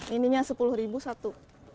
ininya sepuluh ribu satu